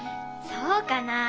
そうかなあ？